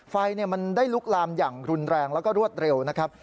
ไฟมันได้ลุกลามอย่างรุนแรงแล้วก็รวดเร็วนะครับ